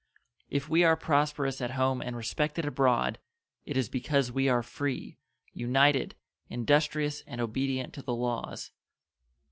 If we are prosperous at home and respected abroad, it is because we are free, united, industrious, and obedient to the laws.